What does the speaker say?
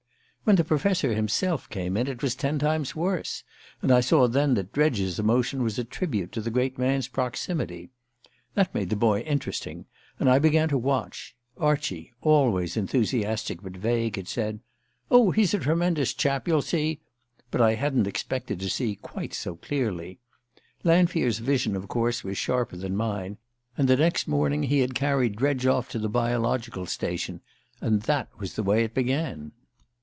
When the Professor himself came in it was ten times worse, and I saw then that Dredge's emotion was a tribute to the great man's proximity. That made the boy interesting, and I began to watch. Archie, always enthusiastic but vague, had said: "Oh, he's a tremendous chap you'll see " but I hadn't expected to see quite so clearly. Lanfear's vision, of course, was sharper than mine; and the next morning he had carried Dredge off to the Biological Station. And that was the way it began.